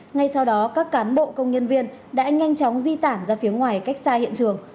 ngay sau đó các cán bộ công nhân viên đã nhanh chóng di tản ra phía ngoài cách xa hiện trường